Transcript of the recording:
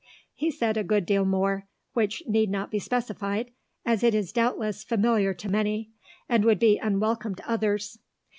He said a good deal more, which need not be specified, as it is doubtless familiar to many, and would be unwelcome to others.